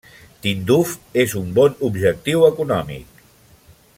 Tindouf és un bon objectiu econòmic.